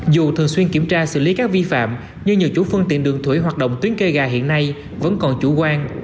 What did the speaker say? dù thường xuyên kiểm tra xử lý các vi phạm nhưng nhiều chủ phương tiện đường thủy hoạt động tuyến cây gà hiện nay vẫn còn chủ quan